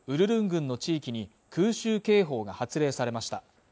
郡の地域に空襲警報が発令されました